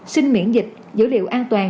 sinh miễn dịch dữ liệu an toàn